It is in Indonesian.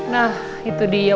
nah itu dia